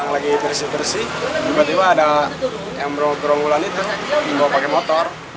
lagi bersih bersih tiba tiba ada yang beranggulan itu yang bawa pakai motor